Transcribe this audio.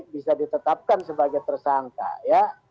bisa ditetapkan sebagai tersangka ya